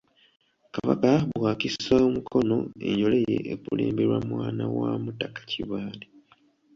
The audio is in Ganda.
Kabaka bw’akisa omukono enjole ye ekulemberwa mwana wa Mutaka Kibaale.